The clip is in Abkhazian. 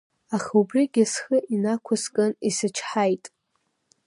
Аха убригьы схы инықәскын, исычҳаит.